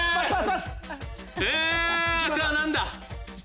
あとは何だ？